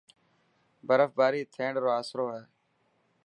برف باري ٿيڻ رو آسرو هي.